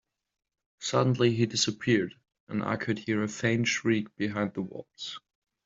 Suddenly, he disappeared, and I could hear a faint shriek behind the walls.